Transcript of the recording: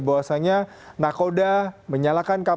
bahwasannya nakoda menyalakan